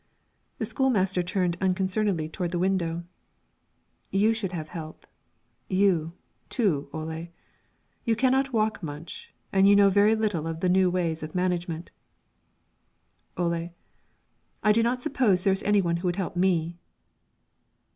The school master turned unconcernedly toward the window: "You should have help, you, too, Ole. You cannot walk much, and you know very little of the new ways of management." Ole: "I do not suppose there is any one who would help me."